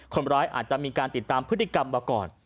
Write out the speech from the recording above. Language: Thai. คนร้ายอาจจะมีการติดตามพฤติกรรมมาก่อน